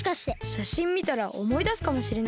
しゃしんみたらおもいだすかもしれないし。